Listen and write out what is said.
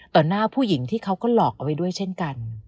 หน้าผู้หญิงที่เขาก็หลอกเอาไว้ด้วยเช่นกัน